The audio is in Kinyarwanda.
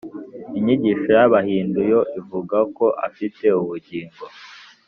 inyigisho y’abahindu yo ivuga ko afite ubugingo